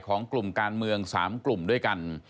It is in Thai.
ของกลุ่มการเมือง๓กลุ่มด้วยกัน